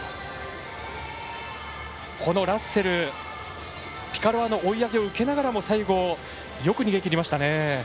ラッセル、ピカロワの追い上げを受けながら最後、よく逃げきりましたね。